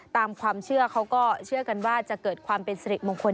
ตามความเชื่อเขาก็เชื่อกันว่าจะเกิดความเป็นสิริมงคล